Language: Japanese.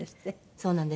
そうなんです。